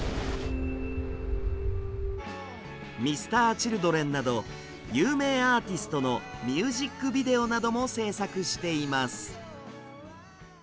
Ｍｒ．Ｃｈｉｌｄｒｅｎなど有名アーティストのミュージックビデオなども制作しています。